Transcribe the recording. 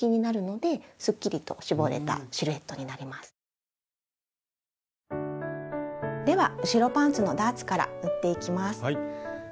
では後ろパンツのダーツから縫っていきます。